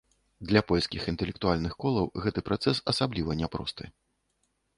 Для польскіх інтэлектуальных колаў гэты працэс асабліва няпросты.